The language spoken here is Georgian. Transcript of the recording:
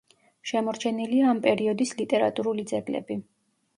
შემორჩენილია ამ პერიოდის ლიტერატურული ძეგლები.